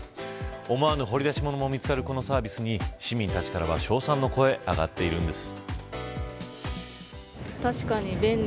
思わぬ掘り出し物も見つかるこのサービスに市民たちからは称賛の声が上がっているんです。